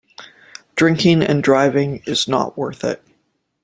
Drinking and driving is not worth it.